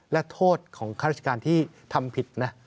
และโทษของข้าราชการที่ทำผิดนะ